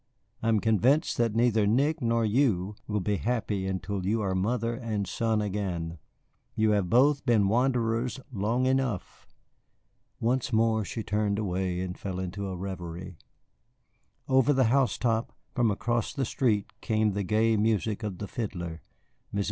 I am convinced that neither Nick nor you will be happy until you are mother and son again. You have both been wanderers long enough." Once more she turned away and fell into a revery. Over the housetop, from across the street, came the gay music of the fiddler. Mrs.